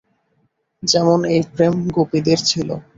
যেমন, এই প্রেম গোপীদের ছিল।